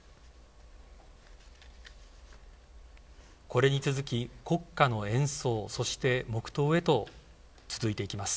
これに続き、国歌の演奏そして、黙祷へと続いていきます。